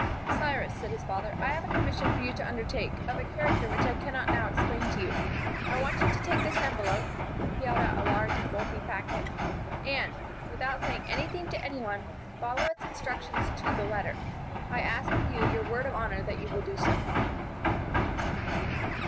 "Cyrus," said his father, "I have a commission for you to undertake, of a character which I cannot now explain to you. I want you to take this envelope" he held out a large and bulky packet "and, without saying anything to any one, follow its instructions to the letter. I ask of you your word of honor that you will do so."